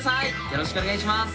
よろしくお願いします！